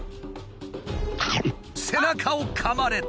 背中をかまれた。